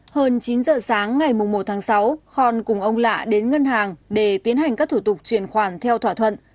hơn chín giờ sáng ngày một tháng sáu khon cùng ông lạ đến ngân hàng để tiến hành các thủ tục chuyển khoản theo thỏa thuận